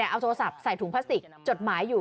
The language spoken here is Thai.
เอาโทรศัพท์ใส่ถุงพลาสติกจดหมายอยู่